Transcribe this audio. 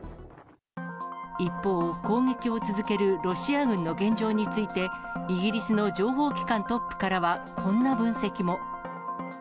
一方、攻撃を続けるロシア軍の現状について、イギリスの情報機関トップからはこんな分析も。